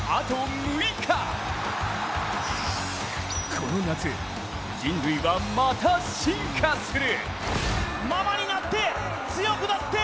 この夏、人類はまた進化する。